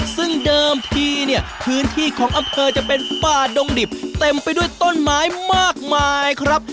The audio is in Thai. ซึ่งเดิมทีเนี่ยพื้นที่ของอำเภอจะเป็นป่าดงดิบเต็มไปด้วยต้นไม้มากมายครับ